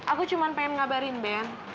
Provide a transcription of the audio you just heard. aku cuma pengen ngabarin band